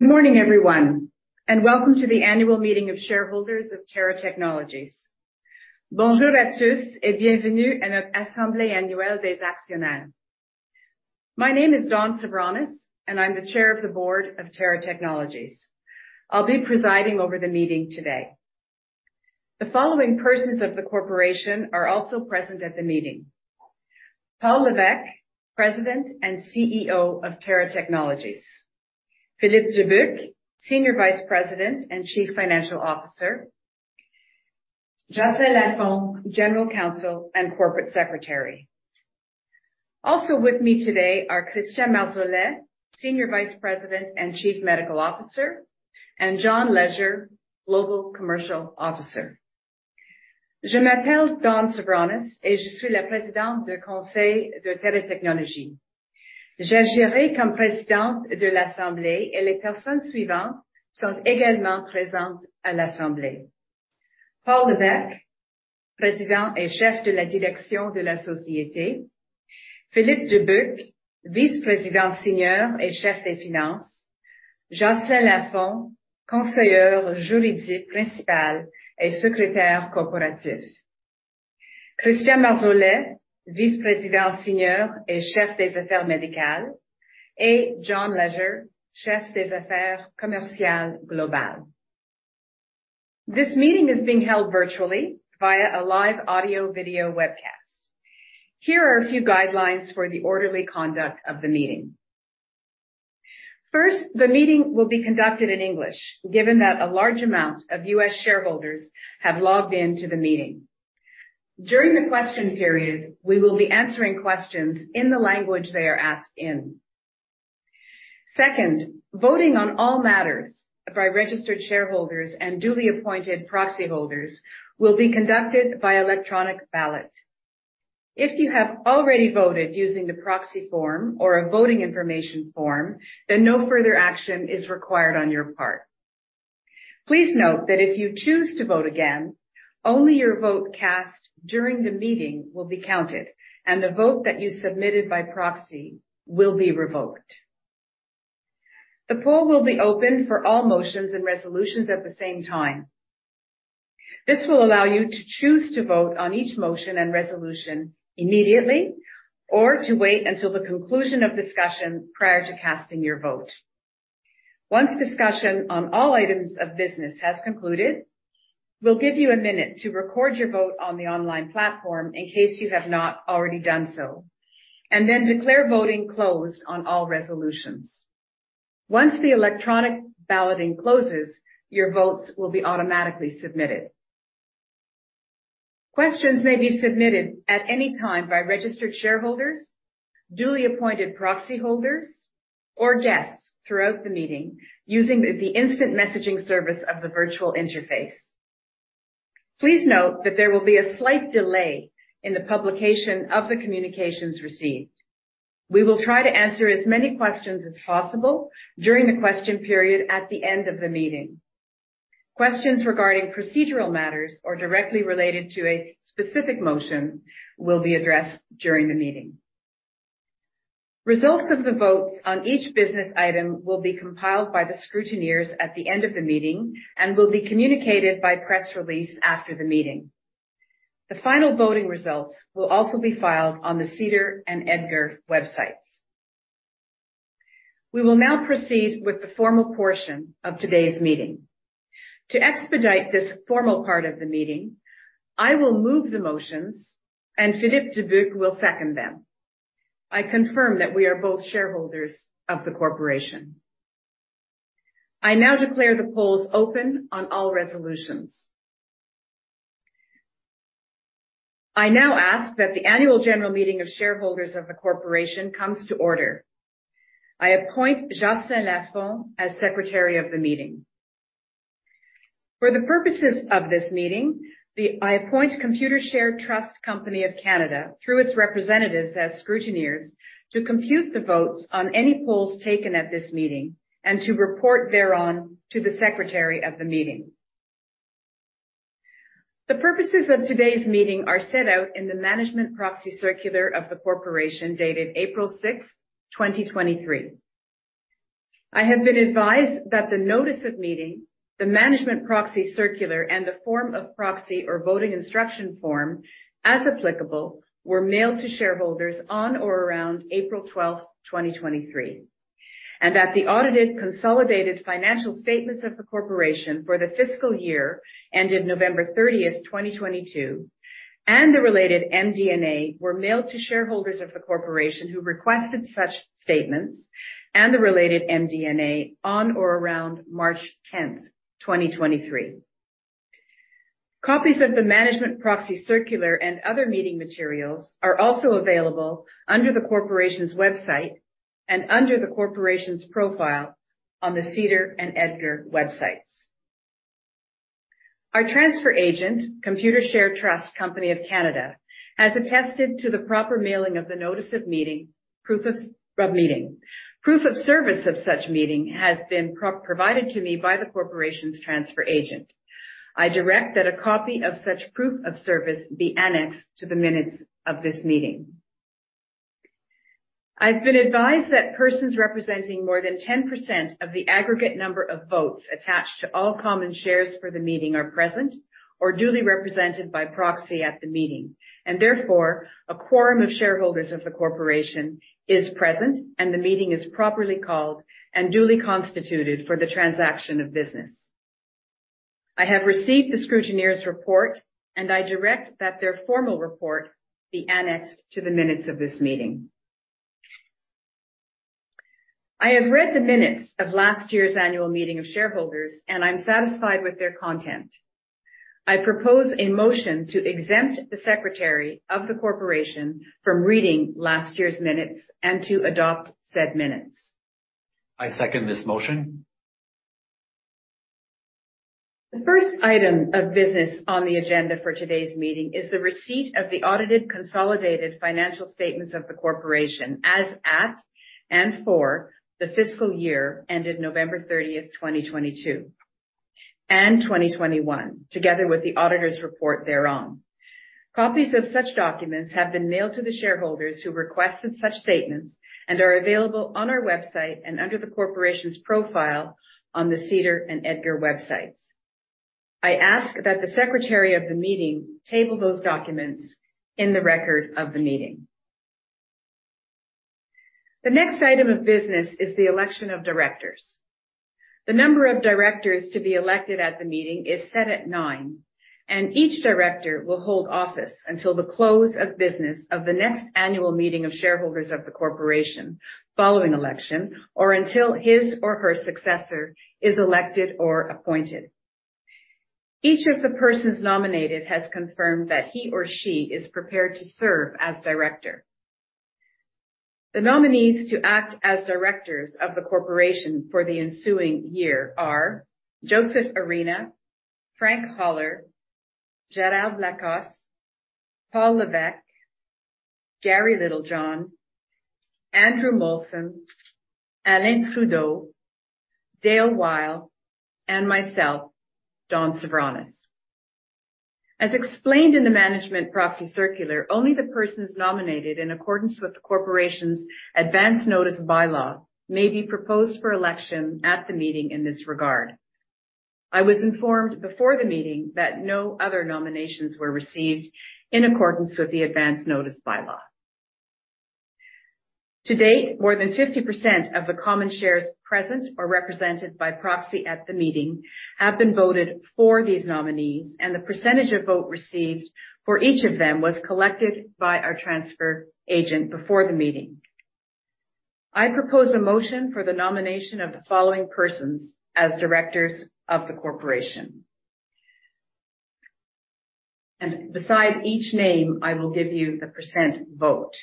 Good morning, everyone, and welcome to the annual meeting of shareholders of Theratechnologies. Bonjour a tous et bienvenue a notre assemblee annuelle des actionnaires. My name is Dawn Svoronos, and I'm the Chair of the Board of Theratechnologies. I'll be presiding over the meeting today. The following persons of the corporation are also present at the meeting. Paul Lévesque, President and CEO of Theratechnologies. Philippe Dubuc, Senior Vice President and Chief Financial Officer. Jocelyn Lafond, General Counsel and Corporate Secretary. Also with me today are Christian Marsolais, Senior Vice President and Chief Medical Officer, and John Leasure, Global Commercial Officer. Je m'appelle Dawn Svoronos et je suis la Presidente du conseil de Theratechnologies. J'agirai comme Presidente de l'assemblee, et les personnes suivantes sont egalement presentes a l'assemblee. Paul Lévesque, President et Chef de la direction de la societe. Philippe Dubuc, Vice-President Senior et Chef des finances. Jocelyn Lafond, General Counsel and Corporate Secretary. Christian Marsolais, Senior Vice President and Chief Medical Officer. John Leasure, Global Commercial Officer. This meeting is being held virtually via a live audio-video webcast. Here are a few guidelines for the orderly conduct of the meeting. First, the meeting will be conducted in English, given that a large amount of U.S. shareholders have logged in to the meeting. During the question period, we will be answering questions in the language they are asked in. Second, voting on all matters by registered shareholders and duly appointed proxy holders will be conducted via electronic ballot. If you have already voted using the proxy form or a voting information form, then no further action is required on your part. Please note that if you choose to vote again, only your vote cast during the meeting will be counted, and the vote that you submitted by proxy will be revoked. The poll will be open for all motions and resolutions at the same time. This will allow you to choose to vote on each motion and resolution immediately or to wait until the conclusion of discussion prior to casting your vote. Once discussion on all items of business has concluded, we'll give you 1 minute to record your vote on the online platform in case you have not already done so, and then declare voting closed on all resolutions. Once the electronic balloting closes, your votes will be automatically submitted. Questions may be submitted at any time by registered shareholders, duly appointed proxy holders, or guests throughout the meeting using the instant messaging service of the virtual interface. Please note that there will be a slight delay in the publication of the communications received. We will try to answer as many questions as possible during the question period at the end of the meeting. Questions regarding procedural matters or directly related to a specific motion will be addressed during the meeting. Results of the votes on each business item will be compiled by the scrutineers at the end of the meeting and will be communicated by press release after the meeting. The final voting results will also be filed on the SEDAR and EDGAR websites. We will now proceed with the formal portion of today's meeting. To expedite this formal part of the meeting, I will move the motions, and Philippe Dubuc will second them. I confirm that we are both shareholders of the corporation. I now declare the polls open on all resolutions. I now ask that the annual general meeting of shareholders of the corporation comes to order. I appoint Jocelyn Lafond as Secretary of the meeting. For the purposes of this meeting, I appoint Computershare Trust Company of Canada through its representatives as scrutineers to compute the votes on any polls taken at this meeting and to report thereon to the Secretary of the meeting. The purposes of today's meeting are set out in the management proxy circular of the corporation dated April 6, 2023. I have been advised that the notice of meeting, the management proxy circular, and the form of proxy or voting instruction form, as applicable, were mailed to shareholders on or around April 12, 2023. That the audited consolidated financial statements of the corporation for the fiscal year ended November 30, 2022, and the related MD&A were mailed to shareholders of the corporation who requested such statements and the related MD&A on or around March 10, 2023. Copies of the management proxy circular and other meeting materials are also available under the corporation's website and under the corporation's profile on the SEDAR and EDGAR websites. Our transfer agent, Computershare Trust Company of Canada, has attested to the proper mailing of the notice of meeting, proof of meeting. Proof of service of such meeting has been provided to me by the corporation's transfer agent. I direct that a copy of such proof of service be annexed to the minutes of this meeting. I've been advised that persons representing more than 10% of the aggregate number of votes attached to all common shares for the meeting are present or duly represented by proxy at the meeting, and therefore, a quorum of shareholders of the corporation is present, and the meeting is properly called and duly constituted for the transaction of business. I have received the scrutineer's report, and I direct that their formal report be annexed to the minutes of this meeting. I have read the minutes of last year's annual meeting of shareholders, and I'm satisfied with their content. I propose a motion to exempt the secretary of the corporation from reading last year's minutes and to adopt said minutes. I second this motion. The first item of business on the agenda for today's meeting is the receipt of the audited consolidated financial statements of the corporation as at and for the fiscal year ended November 30th, 2022 and 2021, together with the auditor's report thereon. Copies of such documents have been mailed to the shareholders who requested such statements and are available on our website and under the corporation's profile on the SEDAR and EDGAR websites. I ask that the secretary of the meeting table those documents in the record of the meeting. The next item of business is the election of directors. The number of directors to be elected at the meeting is set at nine, and each director will hold office until the close of business of the next annual meeting of shareholders of the corporation following election or until his or her successor is elected or appointed. Each of the persons nominated has confirmed that he or she is prepared to serve as director. The nominees to act as directors of the corporation for the ensuing year are Joseph Arena, Frank Holler, Gérald Lacoste, Paul Lévesque, Gary Littlejohn, Andrew Molson, Alain Trudeau, Dale Weil, and myself, Dawn Svoronos. As explained in the management proxy circular, only the persons nominated in accordance with the corporation's advance notice of bylaw may be proposed for election at the meeting in this regard. I was informed before the meeting that no other nominations were received in accordance with the advance notice bylaw. To date, more than 50% of the common shares present or represented by proxy at the meeting have been voted for these nominees, and the percentage of vote received for each of them was collected by our transfer agent before the meeting. I propose a motion for the nomination of the following persons as directors of the corporation. beside each name, I will give you the percent vote.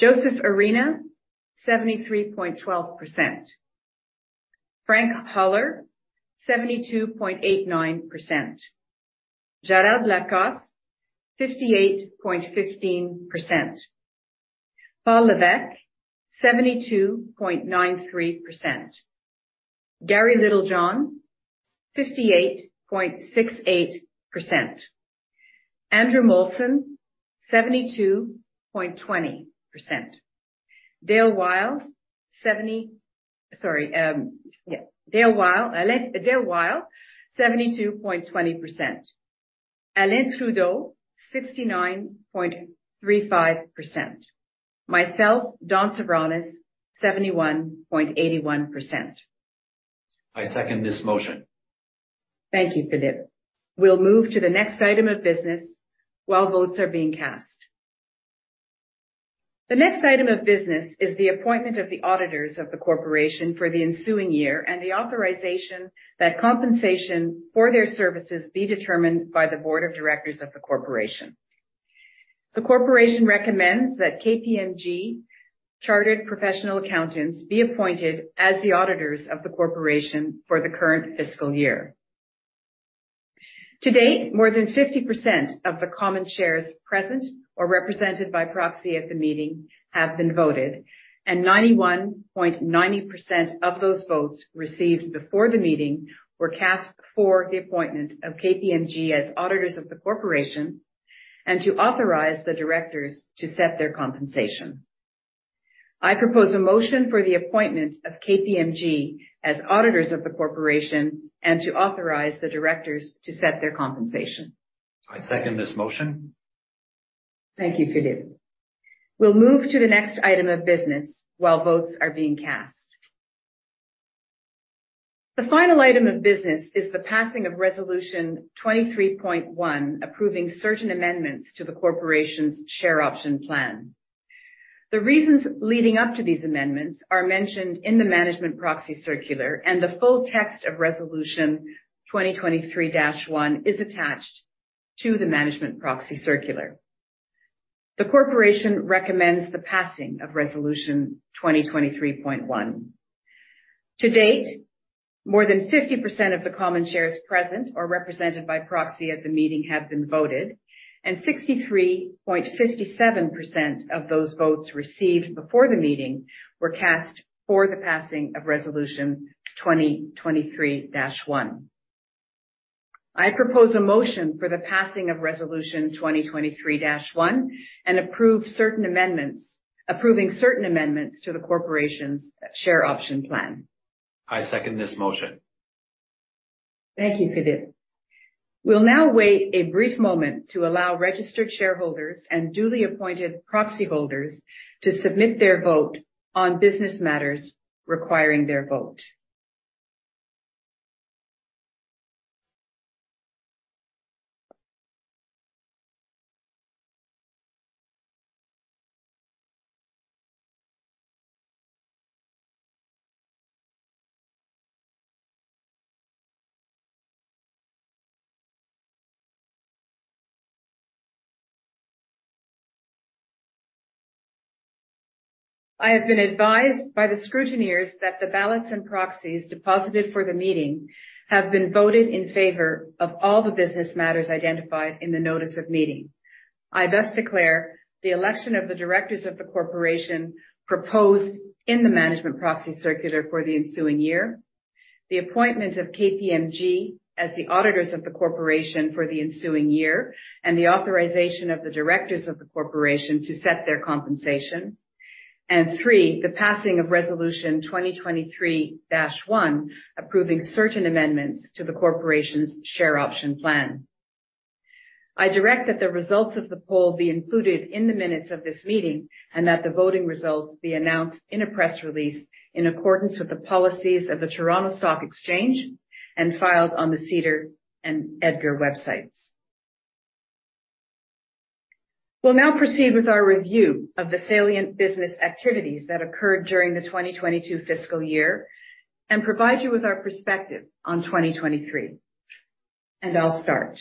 Joseph Arena, 73.12%. Frank Holler, 72.89%. Gérald Lacoste, 58.15%. Paul Lévesque, 72.93%. Gary Littlejohn, 58.68%. Andrew Molson, 72.20%. Dale Weil, 72.20%. Alain Trudeau, 69.35%. Myself, Dawn Svoronos, 71.81%. I second this motion. Thank you, Philippe. We'll move to the next item of business while votes are being cast. The next item of business is the appointment of the auditors of the corporation for the ensuing year and the authorization that compensation for their services be determined by the board of directors of the corporation. The corporation recommends that KPMG Chartered Professional Accountants be appointed as the auditors of the corporation for the current fiscal year. To date, more than 50% of the common shares present or represented by proxy at the meeting have been voted, and 91.90% of those votes received before the meeting were cast for the appointment of KPMG as auditors of the corporation and to authorize the directors to set their compensation. I propose a motion for the appointment of KPMG as auditors of the corporation and to authorize the directors to set their compensation. I second this motion. Thank you, Philippe. We'll move to the next item of business while votes are being cast. The final item of business is the passing of Resolution 2023-1, approving certain amendments to the Corporation's share option plan. The reasons leading up to these amendments are mentioned in the management proxy circular, and the full text of Resolution 2023-1 is attached to the management proxy circular. The Corporation recommends the passing of Resolution 2023-1. To date, more than 50% of the common shares present or represented by proxy at the meeting have been voted, and 63.57% of those votes received before the meeting were cast for the passing of Resolution 2023-1. I propose a motion for the passing of Resolution 2023-1 approving certain amendments to the Corporation's share option plan. I second this motion. Thank you, Philippe. We'll now wait a brief moment to allow registered shareholders and duly appointed proxy holders to submit their vote on business matters requiring their vote. I have been advised by the scrutineers that the ballots and proxies deposited for the meeting have been voted in favor of all the business matters identified in the notice of meeting. I thus declare the election of the directors of the corporation proposed in the management proxy circular for the ensuing year, the appointment of KPMG as the auditors of the corporation for the ensuing year, and the authorization of the directors of the corporation to set their compensation. Three, the passing of Resolution 2023-1, approving certain amendments to the corporation's share option plan. I direct that the results of the poll be included in the minutes of this meeting, and that the voting results be announced in a press release in accordance with the policies of the Toronto Stock Exchange and filed on the SEDAR and EDGAR websites. We'll now proceed with our review of the salient business activities that occurred during the 2022 fiscal year and provide you with our perspective on 2023. I'll start.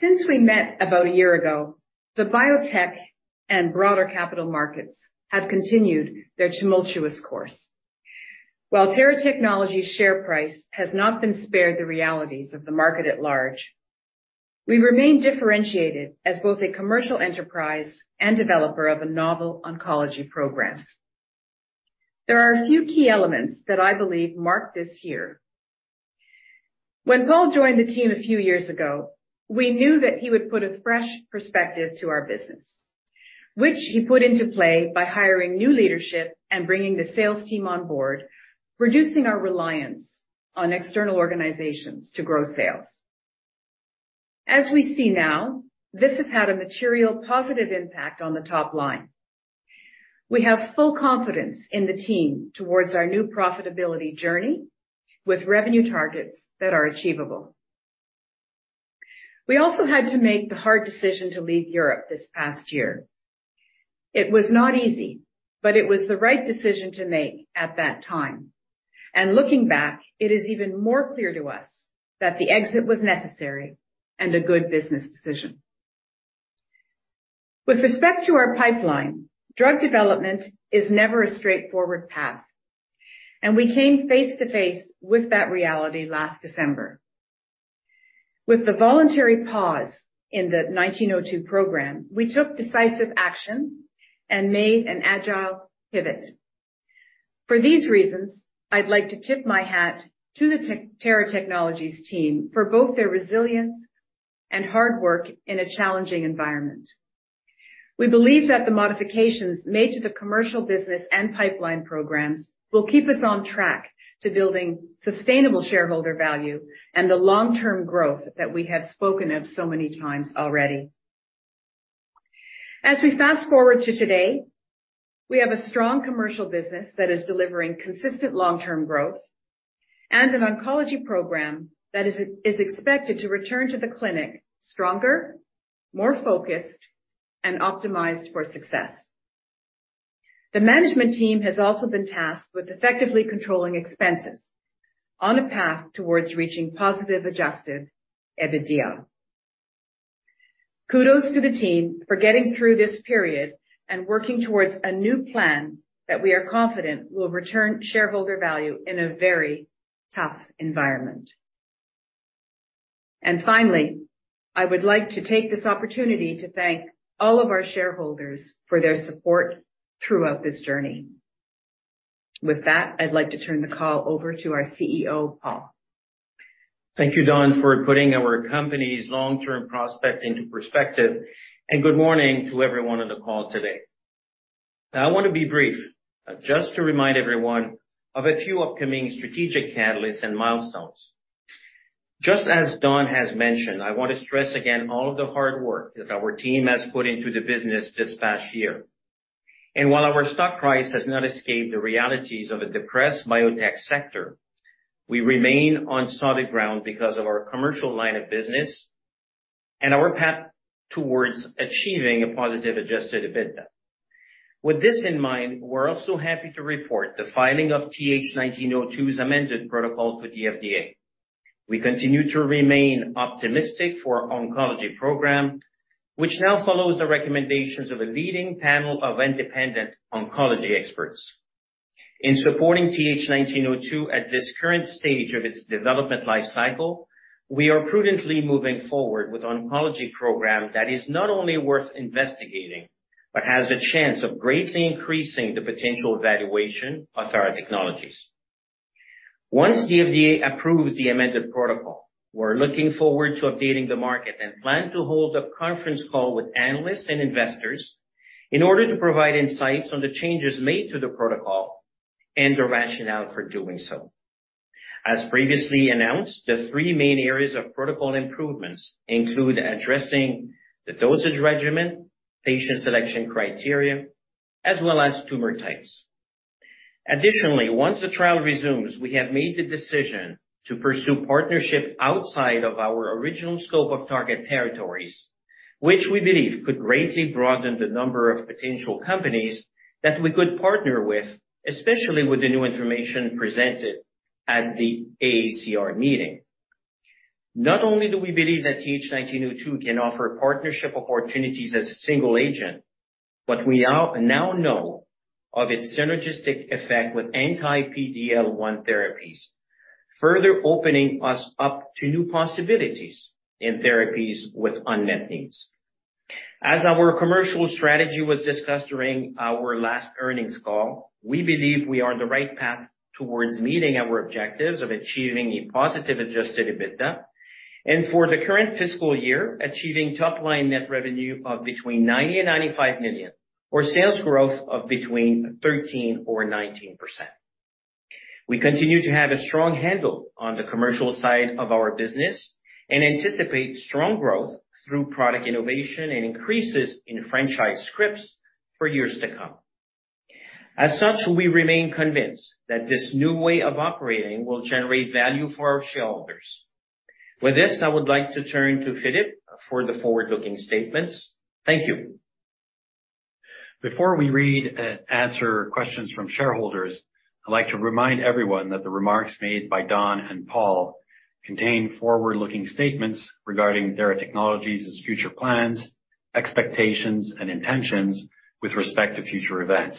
Since we met about a year ago, the biotech and broader capital markets have continued their tumultuous course. While Theratechnologies' share price has not been spared the realities of the market at large, we remain differentiated as both a commercial enterprise and developer of a novel oncology program. There are a few key elements that I believe marked this year. When Paul joined the team a few years ago, we knew that he would put a fresh perspective to our business, which he put into play by hiring new leadership and bringing the sales team on board, reducing our reliance on external organizations to grow sales. As we see now, this has had a material positive impact on the top line. We have full confidence in the team towards our new profitability journey with revenue targets that are achievable. We also had to make the hard decision to leave Europe this past year. It was not easy, but it was the right decision to make at that time. Looking back, it is even more clear to us that the exit was necessary and a good business decision. With respect to our pipeline, drug development is never a straightforward path, and we came face to face with that reality last December. With the voluntary pause in the TH1902 program, we took decisive action and made an agile pivot. For these reasons, I'd like to tip my hat to the Theratechnologies team for both their resilience and hard work in a challenging environment. We believe that the modifications made to the commercial business and pipeline programs will keep us on track to building sustainable shareholder value and the long-term growth that we have spoken of so many times already. As we fast-forward to today, we have a strong commercial business that is delivering consistent long-term growth and an oncology program that is expected to return to the clinic stronger, more focused, and optimized for success. The management team has also been tasked with effectively controlling expenses on a path towards reaching positive adjusted EBITDA. Kudos to the team for getting through this period and working towards a new plan that we are confident will return shareholder value in a very tough environment. Finally, I would like to take this opportunity to thank all of our shareholders for their support throughout this journey. With that, I'd like to turn the call over to our CEO, Paul. Thank you, Dawn, for putting our company's long-term prospect into perspective. Good morning to everyone on the call today. I want to be brief, just to remind everyone of a few upcoming strategic catalysts and milestones. Just as Dawn has mentioned, I want to stress again all of the hard work that our team has put into the business this past year. While our stock price has not escaped the realities of a depressed biotech sector, we remain on solid ground because of our commercial line of business and our path towards achieving a positive adjusted EBITDA. With this in mind, we're also happy to report the filing of TH1902's amended protocol to the FDA. We continue to remain optimistic for our oncology program, which now follows the recommendations of a leading panel of independent oncology experts. In supporting TH1902 at this current stage of its development life cycle, we are prudently moving forward with oncology program that is not only worth investigating, but has a chance of greatly increasing the potential valuation of Theratechnologies. Once the FDA approves the amended protocol, we're looking forward to updating the market and plan to hold a conference call with analysts and investors in order to provide insights on the changes made to the protocol and the rationale for doing so. As previously announced, the three main areas of protocol improvements include addressing the dosage regimen, patient selection criteria, as well as tumor types. Additionally, once the trial resumes, we have made the decision to pursue partnership outside of our original scope of target territories, which we believe could greatly broaden the number of potential companies that we could partner with, especially with the new information presented at the ACR meeting. Not only do we believe that TH1902 can offer partnership opportunities as a single agent, but we now know of its synergistic effect with anti-PD-L1 therapies, further opening us up to new possibilities in therapies with unmet needs. As our commercial strategy was discussed during our last earnings call, we believe we are on the right path towards meeting our objectives of achieving a positive adjusted EBITDA. For the current fiscal year, achieving top line net revenue of between $90 million-$95 million, or sales growth of between 13% or 19%. We continue to have a strong handle on the commercial side of our business and anticipate strong growth through product innovation and increases in franchise scripts for years to come. As such, we remain convinced that this new way of operating will generate value for our shareholders. With this, I would like to turn to Philippe for the forward-looking statements. Thank you. Before we read and answer questions from shareholders, I'd like to remind everyone that the remarks made by Dawn Svoronos and Paul Lévesque contain forward-looking statements regarding Theratechnologies' future plans, expectations, and intentions with respect to future events.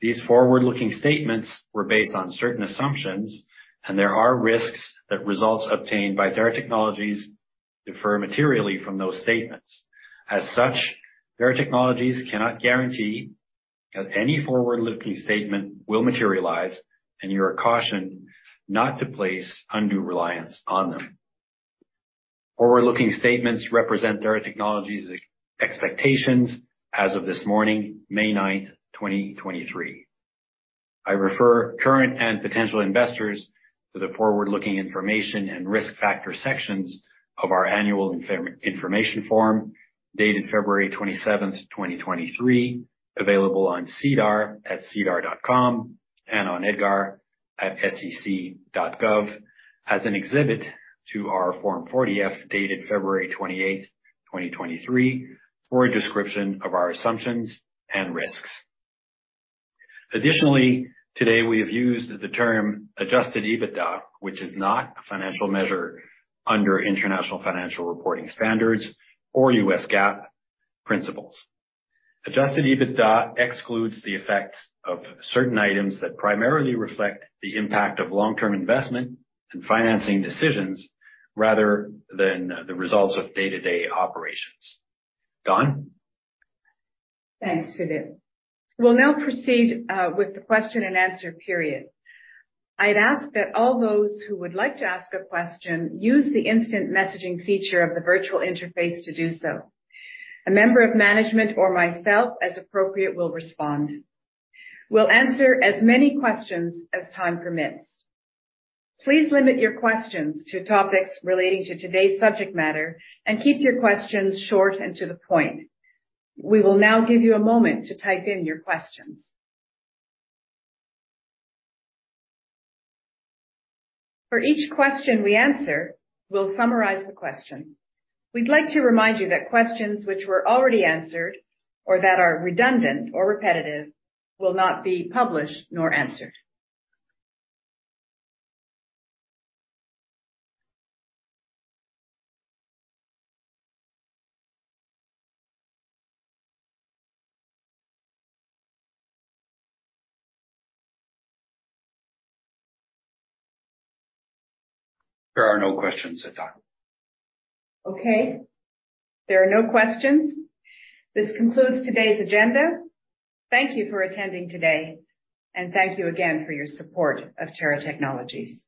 These forward-looking statements were based on certain assumptions, and there are risks that results obtained by Theratechnologies differ materially from those statements. As such, Theratechnologies cannot guarantee that any forward-looking statement will materialize, and you are cautioned not to place undue reliance on them. Forward-looking statements represent Theratechnologies expectations as of this morning, May 9, 2023. I refer current and potential investors to the forward-looking information and risk factor sections of our annual information form, dated February 27th, 2023, available on SEDAR at sedar.com and on EDGAR at sec.gov as an exhibit to our Form 40-F dated February 28th, 2023, for a description of our assumptions and risks. Additionally, today we have used the term adjusted EBITDA, which is not a financial measure under international financial reporting standards or U.S. GAAP principles. Adjusted EBITDA excludes the effects of certain items that primarily reflect the impact of long-term investment and financing decisions rather than the results of day-to-day operations. Dawn Svoronos? Thanks, Philippe. We'll now proceed with the question and answer period. I'd ask that all those who would like to ask a question use the instant messaging feature of the virtual interface to do so. A member of management or myself, as appropriate, will respond. We'll answer as many questions as time permits. Please limit your questions to topics relating to today's subject matter and keep your questions short and to the point. We will now give you a moment to type in your questions. For each question we answer, we'll summarize the question. We'd like to remind you that questions which were already answered or that are redundant or repetitive will not be published nor answered. There are no questions at time. Okay. There are no questions. This concludes today's agenda. Thank you for attending today, and thank you again for your support of Theratechnologies.